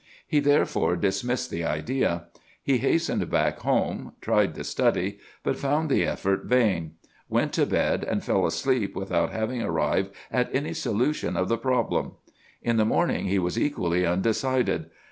He therefore dismissed the idea. He hastened back home; tried to study, but found the effort vain; went to bed, and fell asleep without having arrived at any solution of the problem. In the morning he was equally undecided.